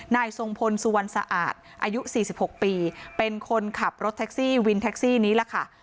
นายทรงพลสวรรค์สะอาดอายุสี่สิบหกปีเป็นคนขับรถแท็กซี่วินแท็กซี่นี้แหละค่ะ